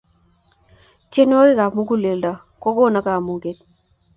tienwokik ap mukuleldo kokona kamunget